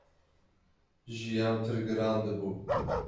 jiyan pir giran dibû.